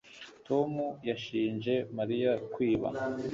Tom yashinje Mariya kwiba